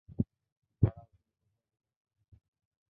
দাঁড়াও, তুমি কোথাও যেতে পারবে না।